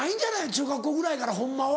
中学校ぐらいからホンマは。